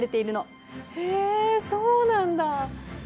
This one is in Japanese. へえそうなんだ。